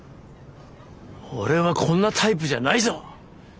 俺はこんなタイプじゃないぞ。